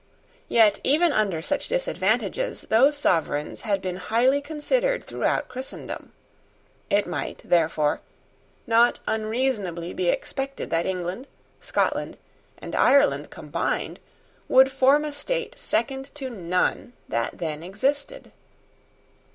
Yet even under such disadvantages those sovereigns had been highly considered throughout Christendom. It might, therefore, not unreasonably be expected that England, Scotland, and Ireland combined would form a state second to none that then existed.